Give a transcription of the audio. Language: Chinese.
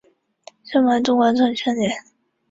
菲律宾的马来人由于西班牙殖民缘故而信奉天主教。